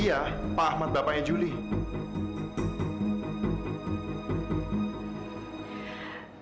iya pak ahmad bapaknya juli